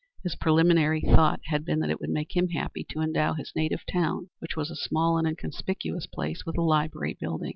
His preliminary thought had been that it would make him happy to endow his native town, which was a small and inconspicuous place, with a library building.